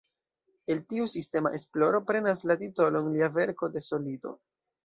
El tiu sistema esploro prenas la titolon lia verko "De solido".